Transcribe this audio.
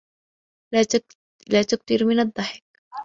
لَا تُكْثِرْ مِنَ الضَّحِكِ.